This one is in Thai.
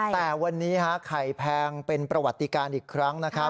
แต่วันนี้ไข่แพงเป็นประวัติการอีกครั้งนะครับ